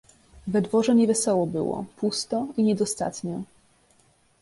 "We dworze nie wesoło było, pusto... i niedostatnio..."